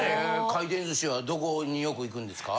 回転寿司はどこによく行くんですか？